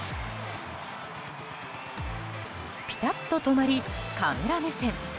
ピタッと止まり、カメラ目線。